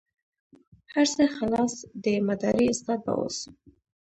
هر څه خلاص دي مداري استاد به اوس.